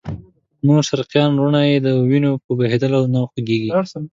نور شرقیان وروڼه یې د وینو په بهېدلو نه خوږېږي.